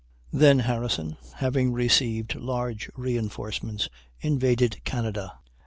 Then Harrison, having received large reinforcements, invaded Canada.